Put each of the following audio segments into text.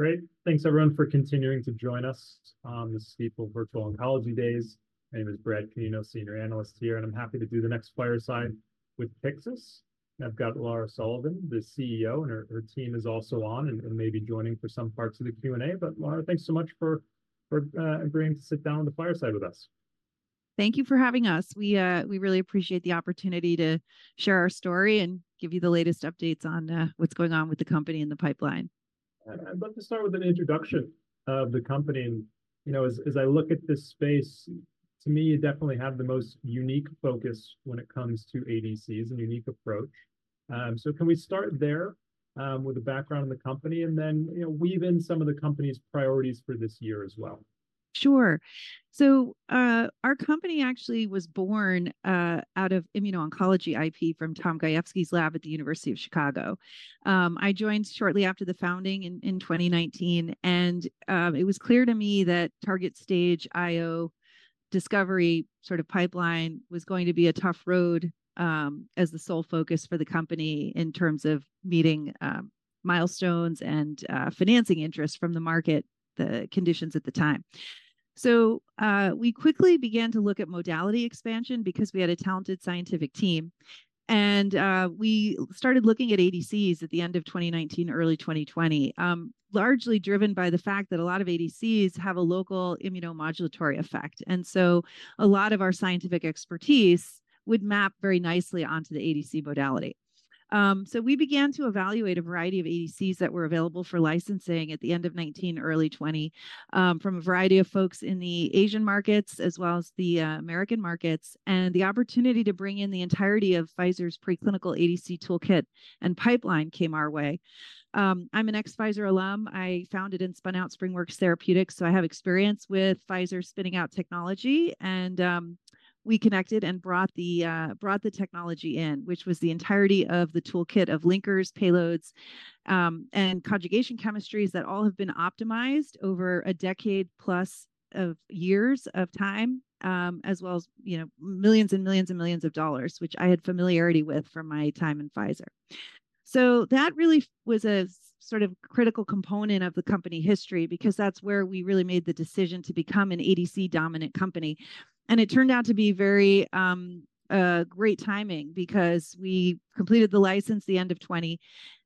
Great. Thanks, everyone, for continuing to join us on the Stifel Virtual Oncology Days. My name is Brad Canino, Senior Analyst here, and I'm happy to do the next fireside with Pyxis. I've got Lara Sullivan, the CEO, and her team is also on and may be joining for some parts of the Q&A. But Lara, thanks so much for agreeing to sit down on the fireside with us. Thank you for having us. We really appreciate the opportunity to share our story and give you the latest updates on what's going on with the company and the pipeline. I'd love to start with an introduction of the company. As I look at this space, to me, you definitely have the most unique focus when it comes to ADCs, a unique approach. Can we start there with a background on the company and then weave in some of the company's priorities for this year as well? Sure. So our company actually was born out of immuno-oncology IP from Thomas Gajewski's lab at the University of Chicago. I joined shortly after the founding in 2019, and it was clear to me that target stage I/O discovery sort of pipeline was going to be a tough road as the sole focus for the company in terms of meeting milestones and financing interest from the market, the conditions at the time. So we quickly began to look at modality expansion because we had a talented scientific team. And we started looking at ADCs at the end of 2019, early 2020, largely driven by the fact that a lot of ADCs have a local immunomodulatory effect. And so a lot of our scientific expertise would map very nicely onto the ADC modality. So we began to evaluate a variety of ADCs that were available for licensing at the end of 2019, early 2020, from a variety of folks in the Asian markets as well as the American markets. And the opportunity to bring in the entirety of Pfizer's preclinical ADC toolkit and pipeline came our way. I'm an ex-Pfizer alum. I founded and spun out SpringWorks Therapeutics. So I have experience with Pfizer spinning out technology. And we connected and brought the technology in, which was the entirety of the toolkit of linkers, payloads, and conjugation chemistries that all have been optimized over a decade-plus of years of time, as well as millions and millions and millions of dollars, which I had familiarity with from my time in Pfizer. So that really was a sort of critical component of the company history because that's where we really made the decision to become an ADC-dominant company. And it turned out to be very great timing because we completed the license the end of 2020.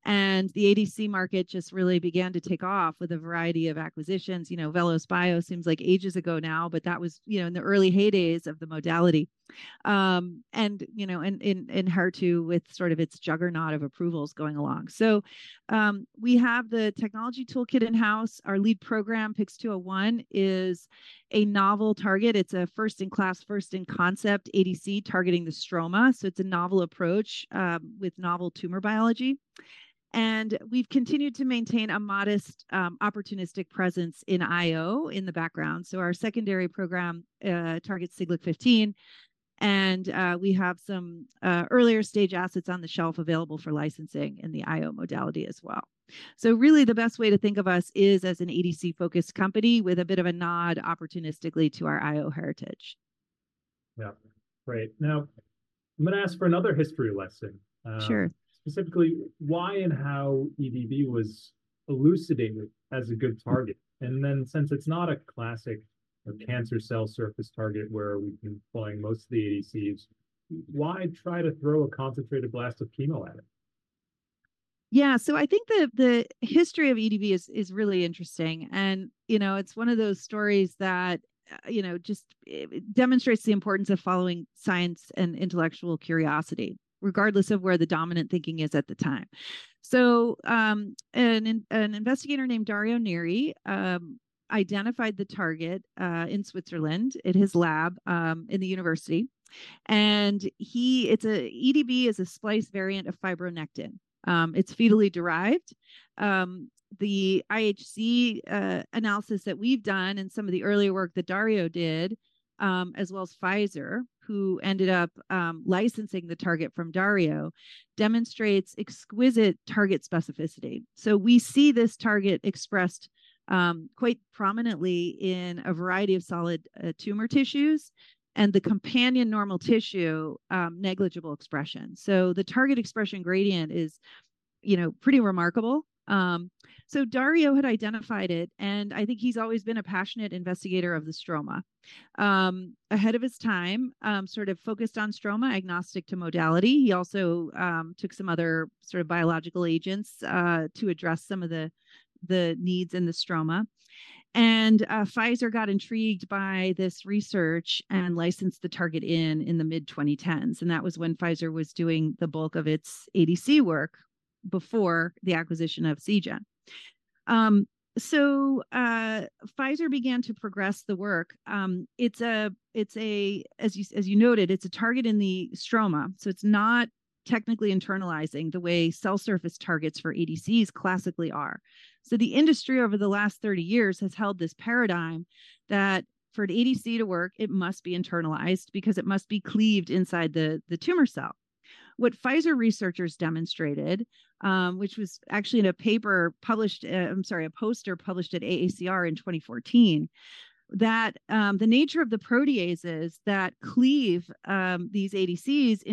And the ADC market just really began to take off with a variety of acquisitions. VelosBio seems like ages ago now, but that was in the early heydays of the modality and in HER2 with sort of its juggernaut of approvals going along. So we have the technology toolkit in-house. Our lead program, PYX-201, is a novel target. It's a first-in-class, first-in-concept ADC targeting the stroma. So it's a novel approach with novel tumor biology. And we've continued to maintain a modest opportunistic presence in I/O in the background. So our secondary program targets Siglec-15. We have some earlier stage assets on the shelf available for licensing in the I/O modality as well. Really, the best way to think of us is as an ADC-focused company with a bit of a nod opportunistically to our I/O heritage. Yeah, great. Now, I'm going to ask for another history lesson. Specifically, why and how EDB was elucidated as a good target. And then since it's not a classic cancer cell surface target where we've been pulling most of the ADCs, why try to throw a concentrated blast of chemo at it? Yeah, so I think the history of EDB is really interesting. And it's one of those stories that just demonstrates the importance of following science and intellectual curiosity, regardless of where the dominant thinking is at the time. So an investigator named Dario Neri identified the target in Switzerland at his lab in the university. And EDB is a splice variant of fibronectin. It's fetally derived. The IHC analysis that we've done and some of the earlier work that Dario did, as well as Pfizer, who ended up licensing the target from Dario, demonstrates exquisite target specificity. So we see this target expressed quite prominently in a variety of solid tumor tissues and the companion normal tissue negligible expression. So the target expression gradient is pretty remarkable. So Dario had identified it, and I think he's always been a passionate investigator of the stroma. Ahead of his time, sort of focused on stroma, agnostic to modality. He also took some other sort of biological agents to address some of the needs in the stroma. Pfizer got intrigued by this research and licensed the target in the mid-2010s. That was when Pfizer was doing the bulk of its ADC work before the acquisition of Seagen. Pfizer began to progress the work. As you noted, it's a target in the stroma. It's not technically internalizing the way cell surface targets for ADCs classically are. The industry over the last 30 years has held this paradigm that for an ADC to work, it must be internalized because it must be cleaved inside the tumor cell. What Pfizer researchers demonstrated, which was actually in a paper published, I'm sorry, a poster published at AACR in 2014, that the nature of the proteases that cleave these ADCs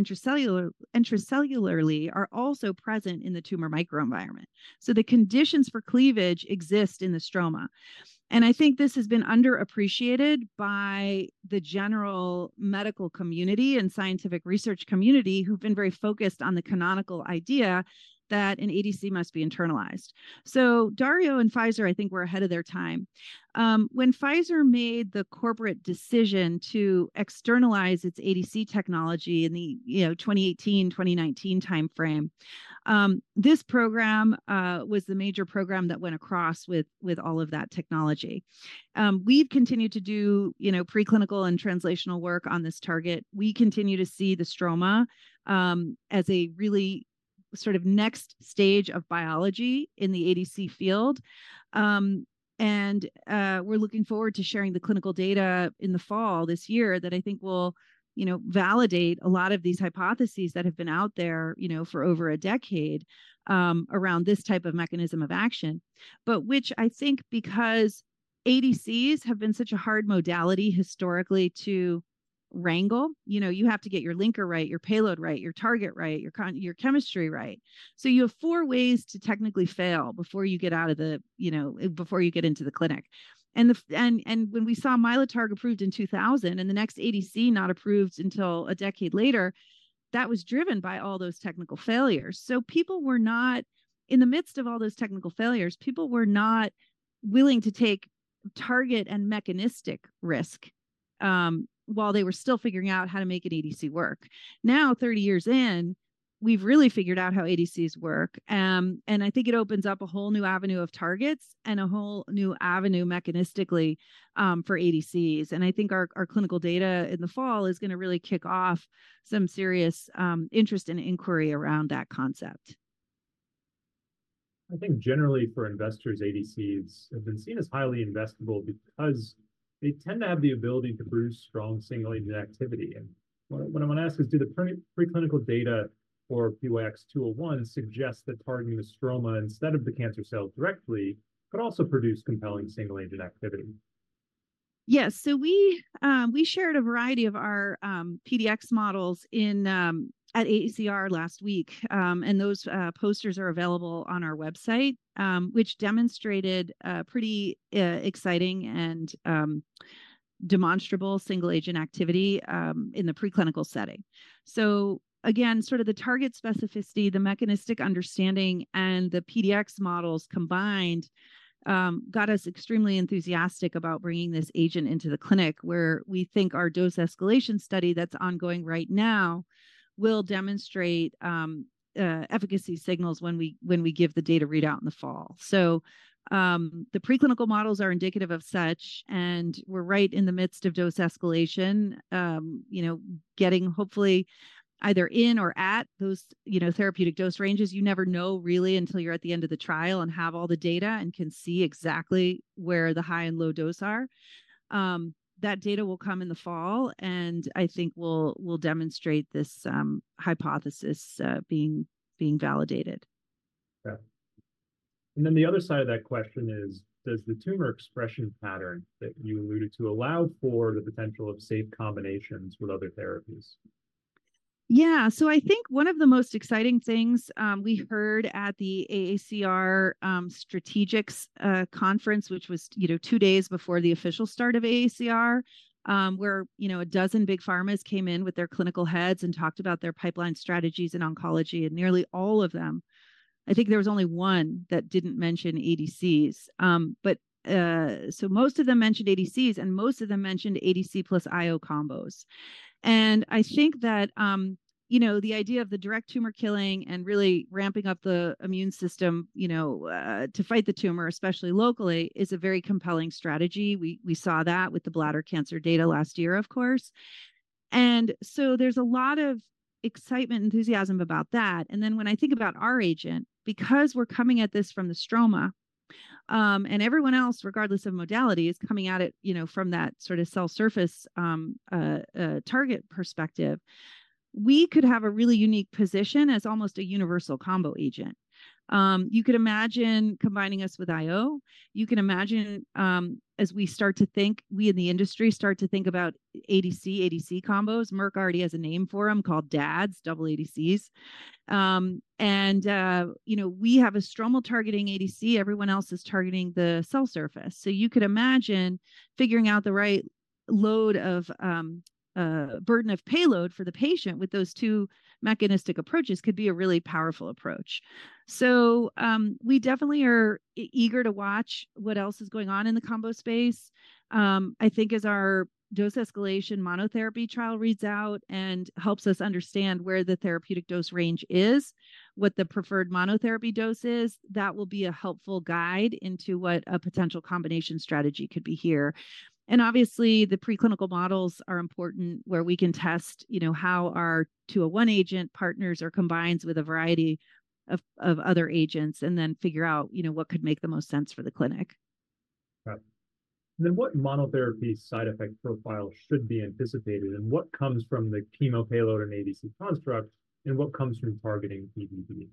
intracellularly are also present in the tumor microenvironment. So the conditions for cleavage exist in the stroma. I think this has been underappreciated by the general medical community and scientific research community who've been very focused on the canonical idea that an ADC must be internalized. So Dario and Pfizer, I think, were ahead of their time. When Pfizer made the corporate decision to externalize its ADC technology in the 2018-2019 timeframe, this program was the major program that went across with all of that technology. We've continued to do preclinical and translational work on this target. We continue to see the stroma as a really sort of next stage of biology in the ADC field. And we're looking forward to sharing the clinical data in the fall this year that I think will validate a lot of these hypotheses that have been out there for over a decade around this type of mechanism of action, but which I think because ADCs have been such a hard modality historically to wrangle, you have to get your linker right, your payload right, your target right, your chemistry right. So you have four ways to technically fail before you get into the clinic. And when we saw Mylotarg approved in 2000 and the next ADC not approved until a decade later, that was driven by all those technical failures. People were not in the midst of all those technical failures, people were not willing to take target and mechanistic risk while they were still figuring out how to make an ADC work. Now, 30 years in, we've really figured out how ADCs work. I think it opens up a whole new avenue of targets and a whole new avenue mechanistically for ADCs. I think our clinical data in the fall is going to really kick off some serious interest and inquiry around that concept. I think generally for investors, ADCs have been seen as highly investable because they tend to have the ability to produce strong single-agent activity. What I want to ask is, do the preclinical data for PYX-201 suggest that targeting the stroma instead of the cancer cell directly could also produce compelling single-agent activity? Yes. So we shared a variety of our PDX models at AACR last week. And those posters are available on our website, which demonstrated pretty exciting and demonstrable single-agent activity in the preclinical setting. So again, sort of the target specificity, the mechanistic understanding, and the PDX models combined got us extremely enthusiastic about bringing this agent into the clinic where we think our dose escalation study that's ongoing right now will demonstrate efficacy signals when we give the data readout in the fall. So the preclinical models are indicative of such. And we're right in the midst of dose escalation, getting hopefully either in or at those therapeutic dose ranges. You never know really until you're at the end of the trial and have all the data and can see exactly where the high and low dose are. That data will come in the fall, and I think will demonstrate this hypothesis being validated. Yeah. And then the other side of that question is, does the tumor expression pattern that you alluded to allow for the potential of safe combinations with other therapies? Yeah. So I think one of the most exciting things we heard at the AACR Strategics Conference, which was two days before the official start of AACR, where a dozen big pharmas came in with their clinical heads and talked about their pipeline strategies in oncology, and nearly all of them, I think there was only one that didn't mention ADCs. So most of them mentioned ADCs, and most of them mentioned ADC plus I/O combos. And I think that the idea of the direct tumor killing and really ramping up the immune system to fight the tumor, especially locally, is a very compelling strategy. We saw that with the bladder cancer data last year, of course. And so there's a lot of excitement, enthusiasm about that. Then when I think about our agent, because we're coming at this from the stroma, and everyone else, regardless of modality, is coming at it from that sort of cell surface target perspective, we could have a really unique position as almost a universal combo agent. You could imagine combining us with I/O. You can imagine as we start to think, we in the industry start to think about ADC, ADC combos. Merck already has a name for them called DADs, double ADCs. We have a stromal targeting ADC. Everyone else is targeting the cell surface. You could imagine figuring out the right load of burden of payload for the patient with those two mechanistic approaches could be a really powerful approach. We definitely are eager to watch what else is going on in the combo space. I think as our dose escalation monotherapy trial reads out and helps us understand where the therapeutic dose range is, what the preferred monotherapy dose is, that will be a helpful guide into what a potential combination strategy could be here. And obviously, the preclinical models are important where we can test how our 201 agent partners are combined with a variety of other agents and then figure out what could make the most sense for the clinic. Yeah. What monotherapy side effect profile should be anticipated? What comes from the chemo payload and ADC construct, and what comes from targeting EDB?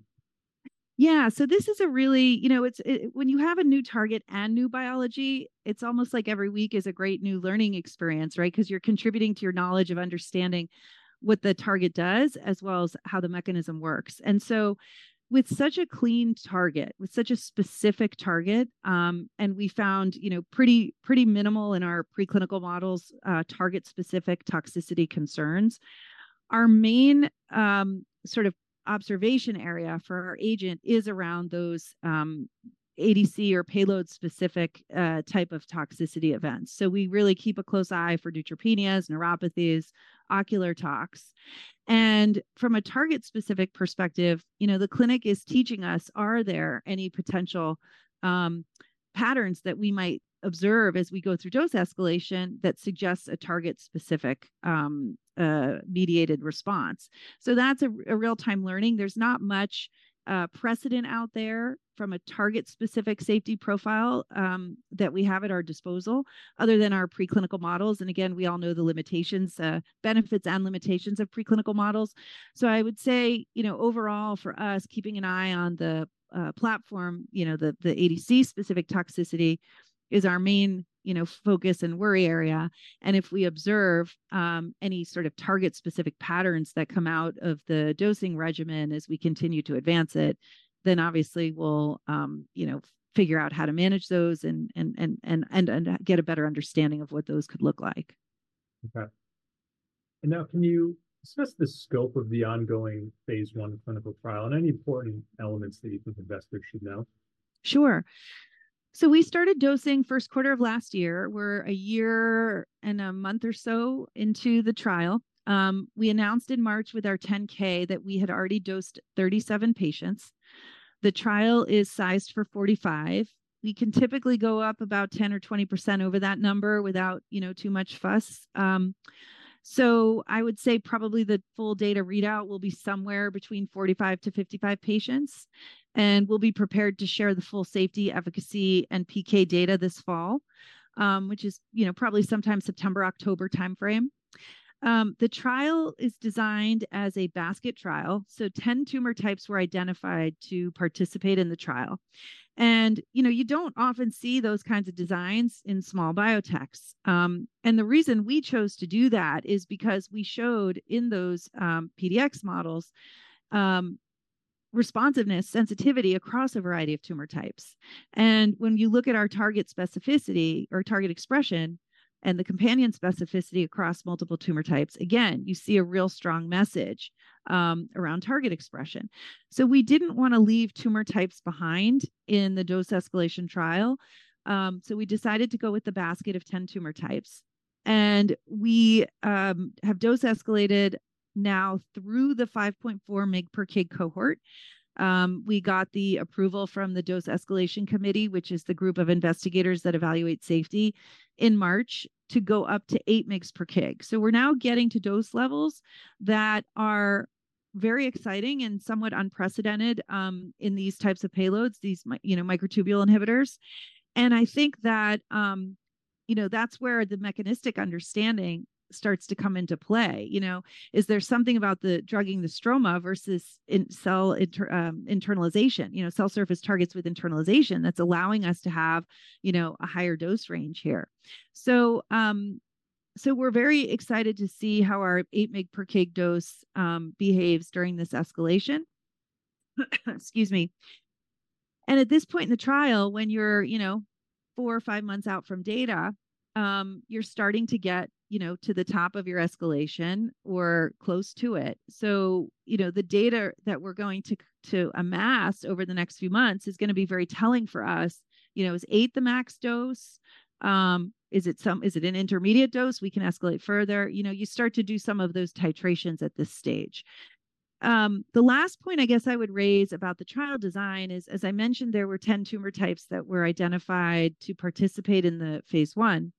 Yeah, so this is really when you have a new target and new biology, it's almost like every week is a great new learning experience, right? Because you're contributing to your knowledge of understanding what the target does as well as how the mechanism works. And so with such a clean target, with such a specific target, and we found pretty minimal in our preclinical models target-specific toxicity concerns, our main sort of observation area for our agent is around those ADC or payload-specific type of toxicity events. So we really keep a close eye for neutropenias, neuropathies, ocular tox. And from a target-specific perspective, the clinic is teaching us, are there any potential patterns that we might observe as we go through dose escalation that suggests a target-specific mediated response? So that's a real-time learning. There's not much precedent out there from a target-specific safety profile that we have at our disposal other than our preclinical models. And again, we all know the limitations, benefits, and limitations of preclinical models. So I would say overall for us, keeping an eye on the platform, the ADC-specific toxicity is our main focus and worry area. And if we observe any sort of target-specific patterns that come out of the dosing regimen as we continue to advance it, then obviously we'll figure out how to manage those and get a better understanding of what those could look like. Okay. And now can you discuss the scope of the ongoing phase one clinical trial and any important elements that you think investors should know? Sure. So we started dosing first quarter of last year. We're a year and a month or so into the trial. We announced in March with our 10-K that we had already dosed 37 patients. The trial is sized for 45. We can typically go up about 10% or 20% over that number without too much fuss. So I would say probably the full data readout will be somewhere between 45-55 patients. And we'll be prepared to share the full safety, efficacy, and PK data this fall, which is probably sometime September-October timeframe. The trial is designed as a basket trial. So 10 tumor types were identified to participate in the trial. And you don't often see those kinds of designs in small biotechs. The reason we chose to do that is because we showed in those PDX models responsiveness, sensitivity across a variety of tumor types. When you look at our target specificity or target expression and the companion specificity across multiple tumor types, again, you see a real strong message around target expression. So we didn't want to leave tumor types behind in the dose escalation trial. So we decided to go with the basket of 10 tumor types. We have dose escalated now through the 5.4 mg per k cohort. We got the approval from the Dose Escalation Committee, which is the group of investigators that evaluate safety, in March, to go up to 8 mg per k. So we're now getting to dose levels that are very exciting and somewhat unprecedented in these types of payloads, these microtubule inhibitors. I think that that's where the mechanistic understanding starts to come into play. Is there something about the drugging the stroma versus cell internalization? Cell surface targets with internalization that's allowing us to have a higher dose range here. We're very excited to see how our eight mg per k dose behaves during this escalation. Excuse me. At this point in the trial, when you're four or five months out from data, you're starting to get to the top of your escalation or close to it. The data that we're going to amass over the next few months is going to be very telling for us. Is eight the max dose? Is it an intermediate dose? We can escalate further. You start to do some of those titrations at this stage. The last point I guess I would raise about the trial design is, as I mentioned, there were 10 tumor types that were identified to participate in the Phase 1.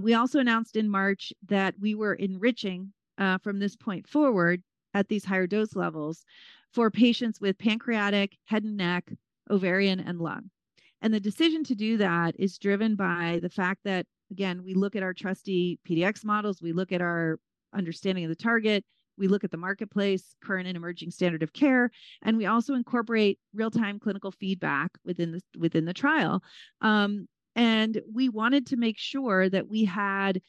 We also announced in March that we were enriching from this point forward at these higher dose levels for patients with pancreatic, head and neck, ovarian, and lung. The decision to do that is driven by the fact that, again, we look at our trusty PDX models, we look at our understanding of the target, we look at the marketplace, current and emerging standard of care, and we also incorporate real-time clinical feedback within the trial. We wanted to make sure that we had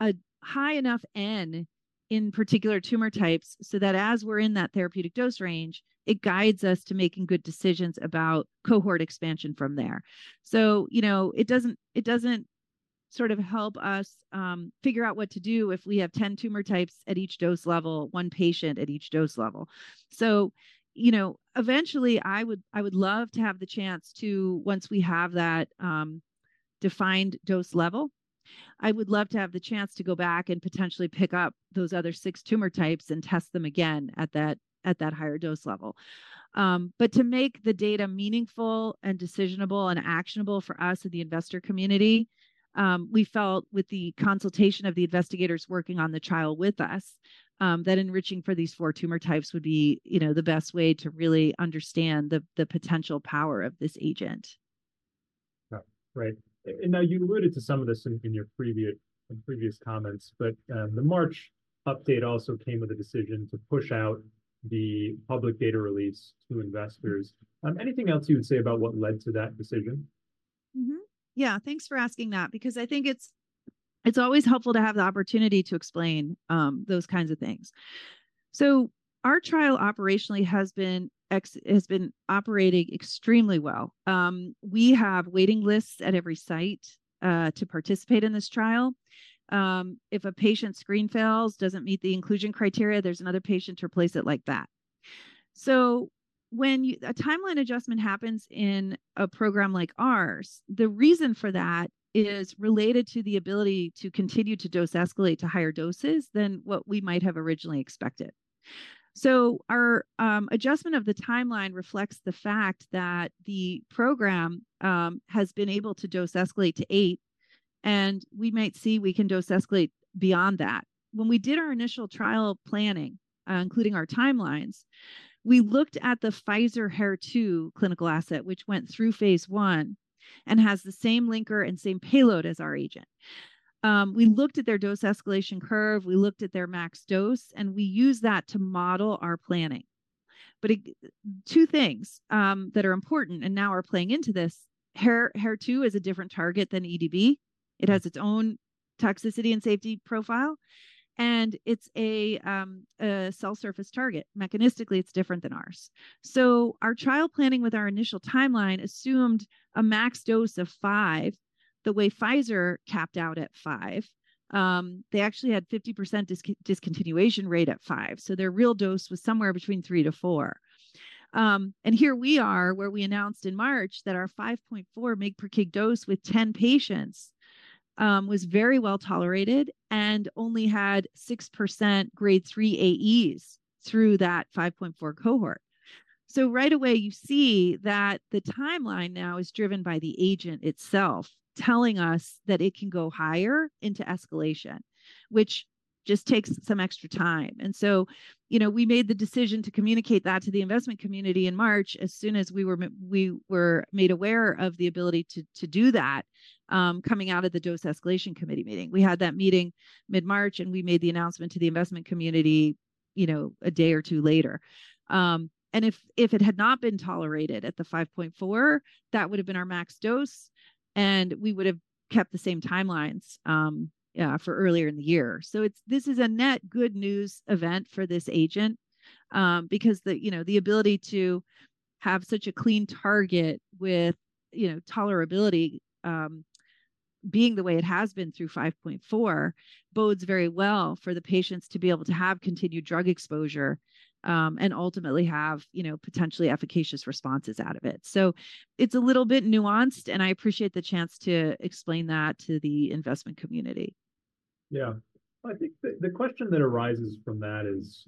a high enough N in particular tumor types so that as we're in that therapeutic dose range, it guides us to making good decisions about cohort expansion from there. So it doesn't sort of help us figure out what to do if we have 10 tumor types at each dose level, 1 patient at each dose level. So eventually, I would love to have the chance to, once we have that defined dose level, I would love to have the chance to go back and potentially pick up those other 6 tumor types and test them again at that higher dose level. But to make the data meaningful and decisionable and actionable for us and the investor community, we felt with the consultation of the investigators working on the trial with us that enriching for these 4 tumor types would be the best way to really understand the potential power of this agent. Yeah, right. And now you alluded to some of this in your previous comments, but the March update also came with a decision to push out the public data release to investors. Anything else you would say about what led to that decision? Yeah, thanks for asking that because I think it's always helpful to have the opportunity to explain those kinds of things. So our trial operationally has been operating extremely well. We have waiting lists at every site to participate in this trial. If a patient's screen fails, doesn't meet the inclusion criteria, there's another patient to replace it like that. So when a timeline adjustment happens in a program like ours, the reason for that is related to the ability to continue to dose escalate to higher doses than what we might have originally expected. So our adjustment of the timeline reflects the fact that the program has been able to dose escalate to eight. And we might see we can dose escalate beyond that. When we did our initial trial planning, including our timelines, we looked at the Pfizer HER2 clinical asset, which went through Phase 1 and has the same linker and same payload as our agent. We looked at their dose escalation curve, we looked at their max dose, and we used that to model our planning. Two things that are important and now are playing into this. HER2 is a different target than EDB. It has its own toxicity and safety profile. It's a cell surface target. Mechanistically, it's different than ours. Our trial planning with our initial timeline assumed a max dose of 5. The way Pfizer capped out at 5, they actually had a 50% discontinuation rate at 5. Their real dose was somewhere between 3-4. Here we are where we announced in March that our 5.4 mg per k dose with 10 patients was very well tolerated and only had 6% grade three AEs through that 5.4 cohort. So right away, you see that the timeline now is driven by the agent itself telling us that it can go higher into escalation, which just takes some extra time. And so we made the decision to communicate that to the investment community in March as soon as we were made aware of the ability to do that coming out of the Dose Escalation Committee meeting. We had that meeting mid-March, and we made the announcement to the investment community a day or two later. And if it had not been tolerated at the 5.4, that would have been our max dose. And we would have kept the same timelines for earlier in the year. So this is a net good news event for this agent because the ability to have such a clean target with tolerability being the way it has been through 5.4 bodes very well for the patients to be able to have continued drug exposure and ultimately have potentially efficacious responses out of it. So it's a little bit nuanced, and I appreciate the chance to explain that to the investment community. Yeah. I think the question that arises from that is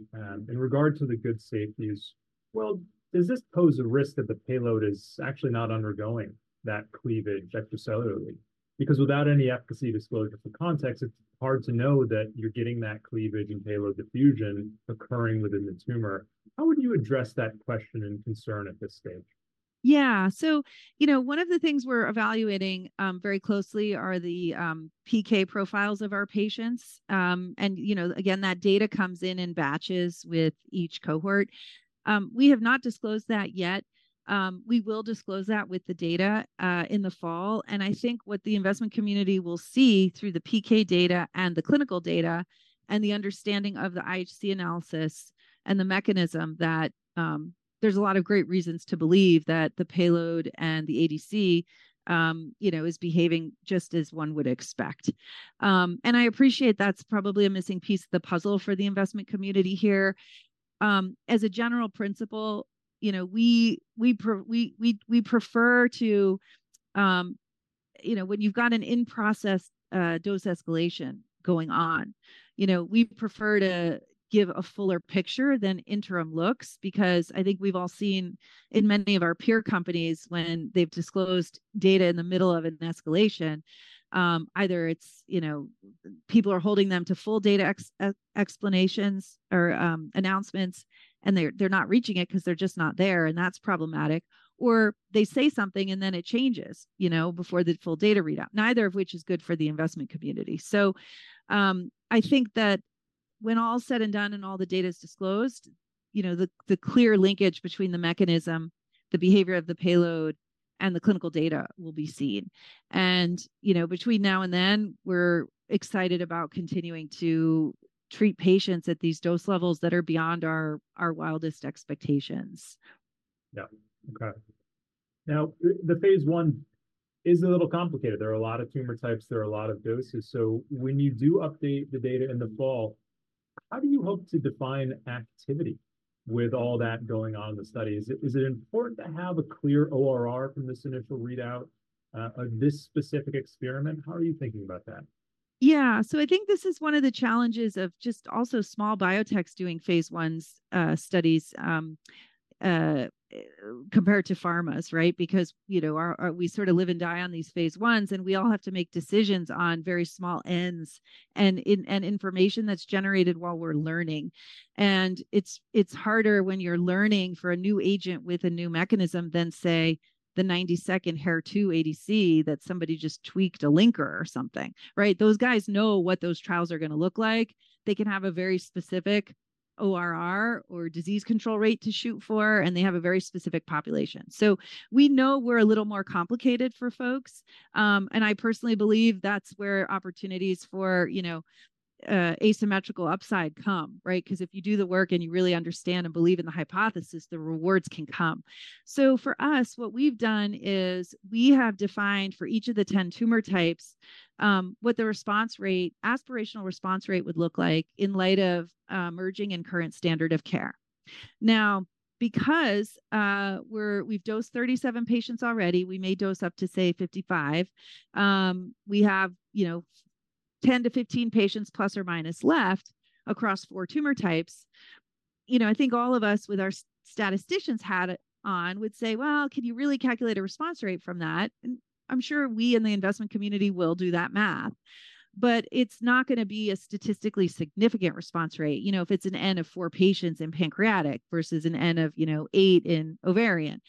in regard to the good safeties, well, does this pose a risk that the payload is actually not undergoing that cleavage extracellularly? Because without any efficacy disclosure for context, it's hard to know that you're getting that cleavage and payload diffusion occurring within the tumor. How would you address that question and concern at this stage? Yeah, so one of the things we're evaluating very closely are the PK profiles of our patients. And again, that data comes in in batches with each cohort. We have not disclosed that yet. We will disclose that with the data in the fall. And I think what the investment community will see through the PK data and the clinical data and the understanding of the IHC analysis and the mechanism that there's a lot of great reasons to believe that the payload and the ADC is behaving just as one would expect. And I appreciate that's probably a missing piece of the puzzle for the investment community here. As a general principle, we prefer to when you've got an in-process dose escalation going on, we prefer to give a fuller picture than interim looks because I think we've all seen in many of our peer companies when they've disclosed data in the middle of an escalation, either it's people are holding them to full data explanations or announcements, and they're not reaching it because they're just not there, and that's problematic. Or they say something and then it changes before the full data readout, neither of which is good for the investment community. So I think that when all said and done and all the data is disclosed, the clear linkage between the mechanism, the behavior of the payload, and the clinical data will be seen. And between now and then, we're excited about continuing to treat patients at these dose levels that are beyond our wildest expectations. Yeah. Okay. Now, the phase 1 is a little complicated. There are a lot of tumor types. There are a lot of doses. So when you do update the data in the fall, how do you hope to define activity with all that going on in the study? Is it important to have a clear ORR from this initial readout of this specific experiment? How are you thinking about that? Yeah, so I think this is one of the challenges of just also small biotechs doing phase one studies compared to pharmas, right? Because we sort of live and die on these phase ones, and we all have to make decisions on very small ends and information that's generated while we're learning. And it's harder when you're learning for a new agent with a new mechanism than, say, the 92nd HER2 ADC that somebody just tweaked a linker or something, right? Those guys know what those trials are going to look like. They can have a very specific ORR or disease control rate to shoot for, and they have a very specific population. So we know we're a little more complicated for folks. And I personally believe that's where opportunities for asymmetrical upside come, right? Because if you do the work and you really understand and believe in the hypothesis, the rewards can come. So for us, what we've done is we have defined for each of the 10 tumor types what the response rate, aspirational response rate would look like in light of merging and current standard of care. Now, because we've dosed 37 patients already, we may dose up to, say, 55. We have 10-15 patients plus or minus left across four tumor types. I think all of us with our statisticians had it on would say, well, can you really calculate a response rate from that? And I'm sure we in the investment community will do that math. But it's not going to be a statistically significant response rate. If it's an N of four patients in pancreatic versus an N of eight in ovarian.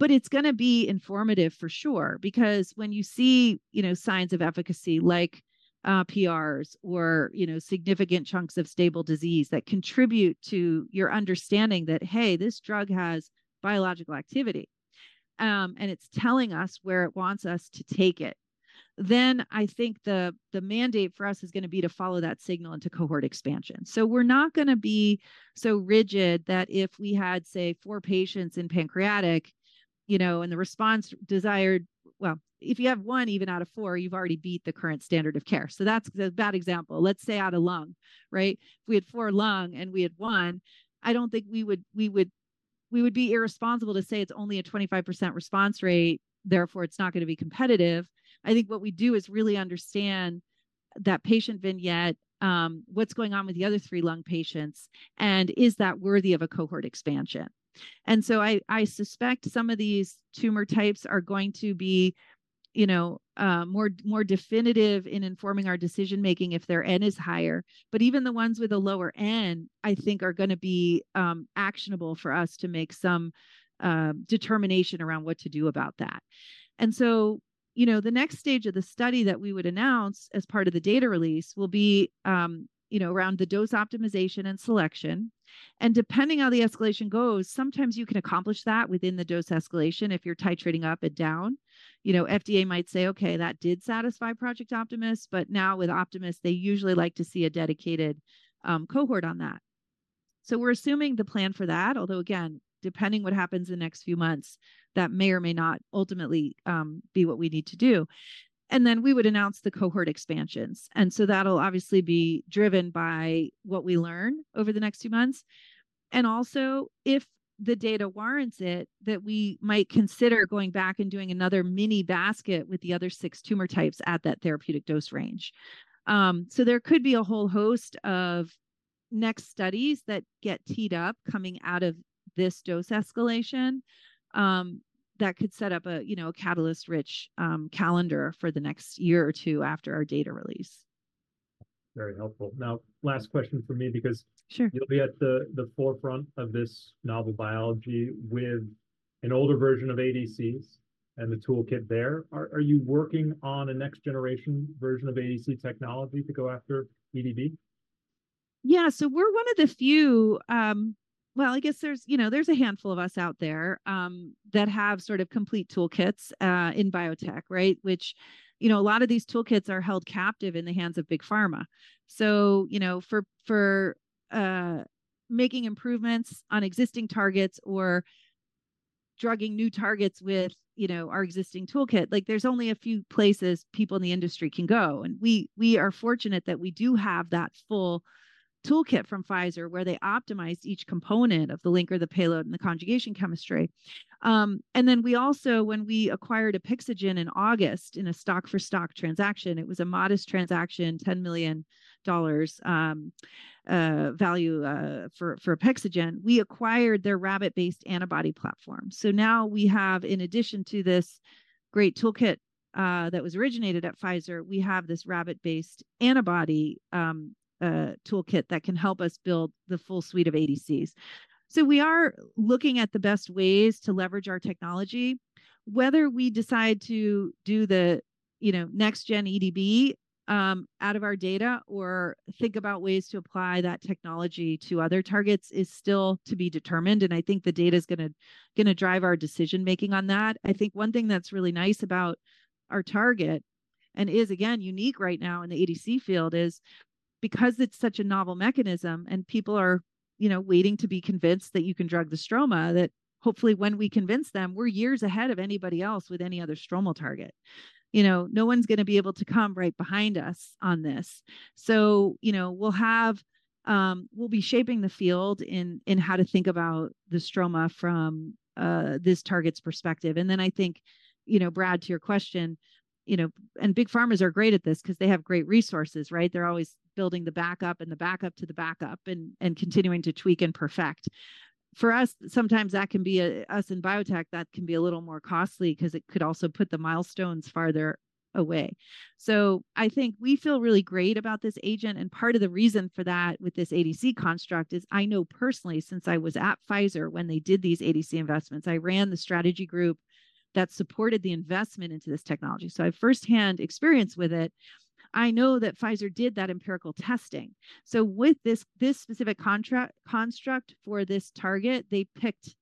But it's going to be informative for sure because when you see signs of efficacy like PRs or significant chunks of stable disease that contribute to your understanding that, hey, this drug has biological activity. It's telling us where it wants us to take it. I think the mandate for us is going to be to follow that signal into cohort expansion. So we're not going to be so rigid that if we had, say, four patients in pancreatic and the response desired, well, if you have one even out of four, you've already beat the current standard of care. So that's a bad example. Let's say out of lung, right? If we had four lung and we had one, I don't think we would be irresponsible to say it's only a 25% response rate. Therefore, it's not going to be competitive. I think what we do is really understand that patient vignette, what's going on with the other 3 lung patients, and is that worthy of a cohort expansion? And so I suspect some of these tumor types are going to be more definitive in informing our decision-making if their N is higher. But even the ones with a lower N, I think, are going to be actionable for us to make some determination around what to do about that. And so the next stage of the study that we would announce as part of the data release will be around the dose optimization and selection. And depending on the escalation goes, sometimes you can accomplish that within the dose escalation if you're titrating up and down. FDA might say, okay, that did satisfy Project Optimus, but now with Optimus, they usually like to see a dedicated cohort on that. So we're assuming the plan for that, although again, depending on what happens in the next few months, that may or may not ultimately be what we need to do. And then we would announce the cohort expansions. And so that'll obviously be driven by what we learn over the next few months. And also, if the data warrants it, that we might consider going back and doing another mini basket with the other six tumor types at that therapeutic dose range. So there could be a whole host of next studies that get teed up coming out of this dose escalation that could set up a catalyst-rich calendar for the next year or two after our data release. Very helpful. Now, last question for me because you'll be at the forefront of this novel biology with an older version of ADCs and the toolkit there. Are you working on a next-generation version of ADC technology to go after EDB? Yeah, so we're one of the few well, I guess there's a handful of us out there that have sort of complete toolkits in biotech, right? Which a lot of these toolkits are held captive in the hands of big pharma. So for making improvements on existing targets or drugging new targets with our existing toolkit, there's only a few places people in the industry can go. And we are fortunate that we do have that full toolkit from Pfizer where they optimized each component of the linker, the payload, and the conjugation chemistry. And then we also, when we acquired Apexigen in August in a stock-for-stock transaction, it was a modest transaction, $10 million value for Apexigen. We acquired their rabbit-based antibody platform. So now we have, in addition to this great toolkit that was originated at Pfizer, we have this rabbit-based antibody toolkit that can help us build the full suite of ADCs. So we are looking at the best ways to leverage our technology. Whether we decide to do the next-gen EDB out of our data or think about ways to apply that technology to other targets is still to be determined. And I think the data is going to drive our decision-making on that. I think one thing that's really nice about our target and is, again, unique right now in the ADC field is because it's such a novel mechanism and people are waiting to be convinced that you can drug the stroma, that hopefully when we convince them, we're years ahead of anybody else with any other stromal target. No one's going to be able to come right behind us on this. So we'll be shaping the field in how to think about the stroma from this target's perspective. And then I think, Brad, to your question, and big pharmas are great at this because they have great resources, right? They're always building the backup and the backup to the backup and continuing to tweak and perfect. For us, sometimes that can be us in biotech, that can be a little more costly because it could also put the milestones farther away. So I think we feel really great about this agent. And part of the reason for that with this ADC construct is I know personally, since I was at Pfizer when they did these ADC investments, I ran the strategy group that supported the investment into this technology. So I have firsthand experience with it. I know that Pfizer did that empirical testing. So with this specific construct for this target, they picked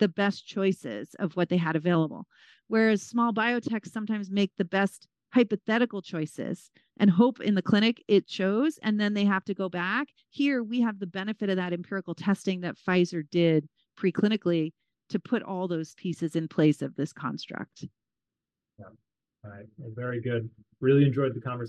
the best choices of what they had available. Whereas small biotechs sometimes make the best hypothetical choices and hope in the clinic it shows, and then they have to go back. Here, we have the benefit of that empirical testing that Pfizer did preclinically to put all those pieces in place of this construct. Yeah. All right. Very good. Really enjoyed the conversation.